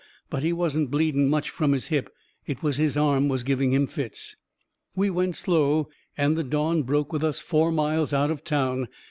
But he wasn't bleeding much from his hip it was his arm was giving him fits. We went slow, and the dawn broke with us four miles out of town.